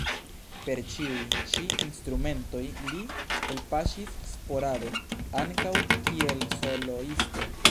Per ĉiuj ĉi instrumentoj li elpaŝis sporade ankaŭ kiel soloisto.